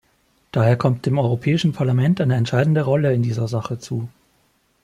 Daher kommt dem Europäischen Parlament eine entscheidende Rolle in dieser Sache zu.